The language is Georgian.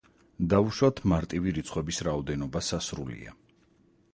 დავუშვათ, მარტივი რიცხვების რაოდენობა სასრულია.